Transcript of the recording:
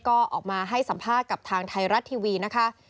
ก็ออกมาให้สัมภาษณ์กับทางไทยรัฐทีวีนะคะ